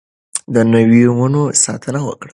د نويو ونو ساتنه وکړئ.